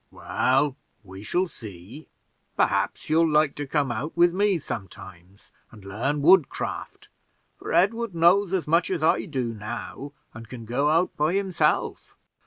"Well, we shall see; perhaps you'll like to come out with me sometimes and learn woodcraft, for Edward knows as much as I do now, and can go out by himself."